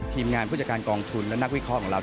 ทีมงานผู้จัดการกองทุนและนักวิเคราะห์ของเรา